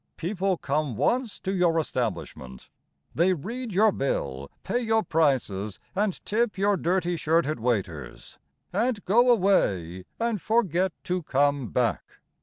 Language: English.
People come once to your establishment, They read your bill, Pay your prices And tip your dirty shirted waiters, And go away And forget to come back.